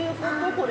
これ。